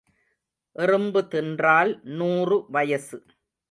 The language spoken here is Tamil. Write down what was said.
எறும்பு தின்றால் நூறு வயசு.